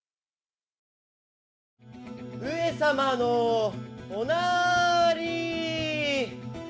上様のおなーりー！